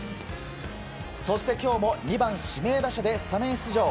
そして、今日も２番指名打者でスタメン出場。